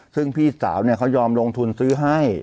ซึ่งพี่สาวเขายอมลงทุนซื้อให้